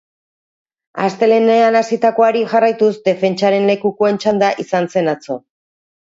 Astelehenean hasitakoari jarraituz, defentsaren lekukoen txanda izan zen atzo.